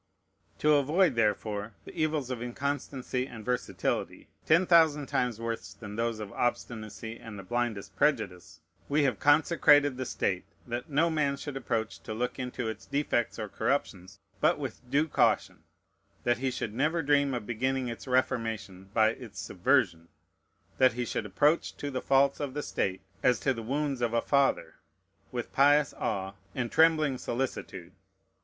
To avoid, therefore, the evils of inconstancy and versatility, ten thousand times worse than those of obstinacy and the blindest prejudice, we have consecrated the state, that no man should approach to look into its defects or corruptions but with due caution; that he should never dream of beginning its reformation by its subversion; that he should approach to the faults of the state as to the wounds of a father, with pious awe and trembling solicitude.